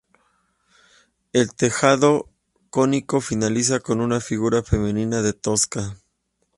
El tejado cónico finaliza con una figura femenina de tosca.